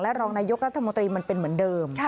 รองนายกรัฐมนตรีมันเป็นเหมือนเดิม